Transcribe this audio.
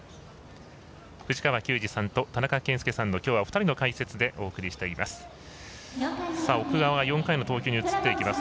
藤川球児さんと田中賢介さんのきょうはお二人の解説でお送りしています。